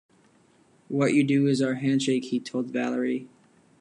"What you do is our handshake," he told Valerie.